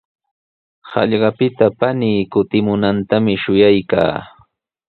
Hallqapita panii kutimunantami shuyaykaa.